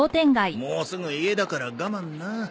もうすぐ家だから我慢な。